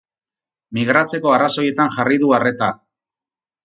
Migratzeko arrazoietan jarri du arreta.